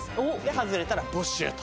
外れたら没収と。